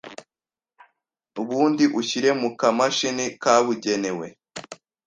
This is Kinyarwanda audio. ubundi ushyire mu kamashini kabugenewe